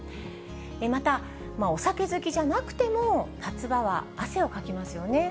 また、お酒好きじゃなくても、夏場は汗をかきますよね。